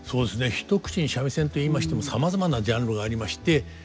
一口に三味線と言いましてもさまざまなジャンルがありまして発展してるんだ。